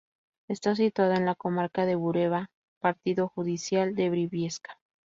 Está situada en la comarca de Bureba, partido judicial de Briviesca.